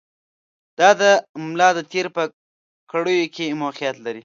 دا د ملا د تېر په کړیو کې موقعیت لري.